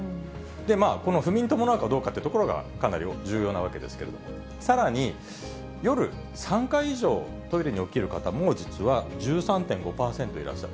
この不眠伴うかどうかっていうところが、かなり重要なわけですけれども、さらに、夜３回以上トイレに起きる方も、実は１３．５％いらっしゃる。